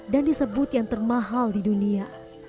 dan disebut yang termahal di dunia